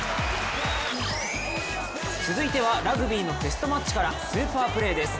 続いてはラグビーのテストマッチから、スーパープレーです。